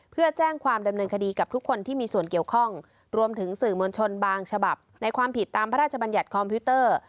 เพื่อแจ้งความดำเนินคดีกับทุกคนที่มีส่วนเกี่ยวข้องรวมถึงสื่อมวลชนบางฉบับในความผิดตามพระราชบัญญัติคอมพิวเตอร์